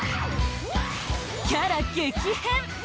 キャラ激変！